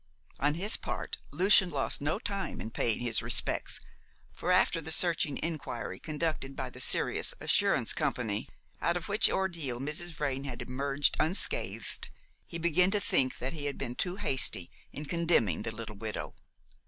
On his part, Lucian lost no time in paying his respects, for after the searching inquiry conducted by the Sirius Assurance Company, out of which ordeal Mrs. Vrain had emerged unscathed, he began to think that he had been too hasty in condemning the little widow.